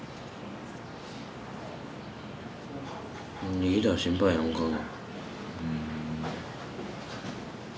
逃げたら心配やもんオカンが。